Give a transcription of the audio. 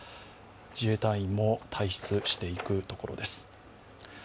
自衛隊員も退出していくところです。